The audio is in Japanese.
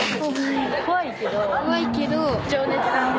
怖いけど。